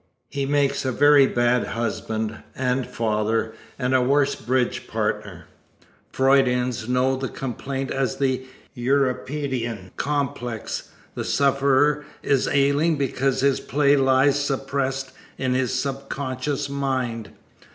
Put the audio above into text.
He makes a very bad husband and father and a worse bridge partner. Freudians know the complaint as the Euripidean complex. The sufferer is ailing because his play lies suppressed in his subconscious mind.